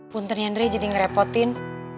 puntennya andre jadi ngerepotin